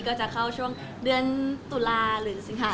ก็จะเข้าช่วงเดือนตุลาหรือสิงหา